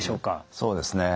そうですね。